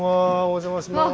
お邪魔します。